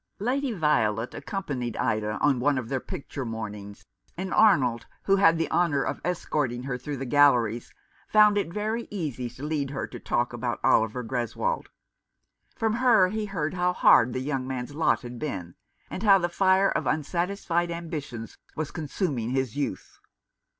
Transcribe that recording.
Lady Violet accompanied Ida on one of their picture mornings, and Arnold, who had the honour of escorting her through the galleries, found it very easy to lead her to talk of Oliver Greswold. From her he heard how hard the young man's lot had been, and how the fire of unsatisfied ambitions was consuming his youth.